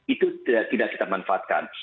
itu tidak kita manfaatkan